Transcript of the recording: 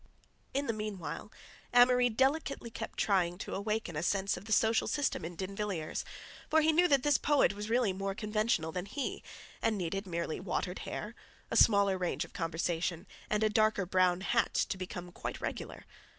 In the meanwhile Amory delicately kept trying to awaken a sense of the social system in D'Invilliers, for he knew that this poet was really more conventional than he, and needed merely watered hair, a smaller range of conversation, and a darker brown hat to become quite regular.